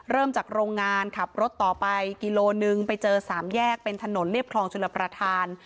เริ่มจากโรงงานขับรถต่อไปกิโลนึงไปเจอสามแยกเป็นถนนเรียบคลองชลประธาน